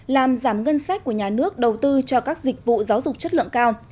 làm giảm ngân sách của nhà nước đầu tư cho các dịch vụ giáo dục chất lượng cao